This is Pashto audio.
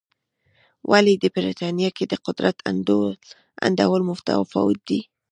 ولې د برېټانیا کې د قدرت انډول متفاوت و.